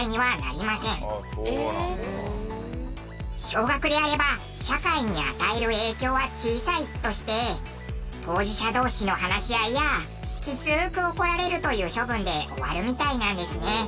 少額であれば社会に与える影響は小さいとして当事者同士の話し合いやきつく怒られるという処分で終わるみたいなんですね。